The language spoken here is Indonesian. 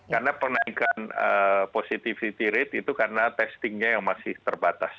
karena penaikan positivity rate itu karena testingnya yang masih terbatas